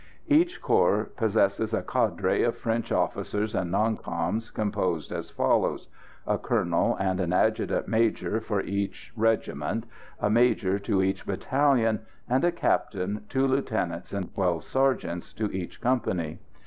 Each corps possesses a cadre of French officers and "non coms," composed as follows: a colonel and an adjutant major for each regiment, a major to each battalion, and a captain, two lieutenants and twelve sergeants to each company.